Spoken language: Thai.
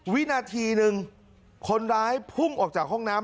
วินาทีหนึ่งคนร้ายพุ่งออกจากห้องน้ำ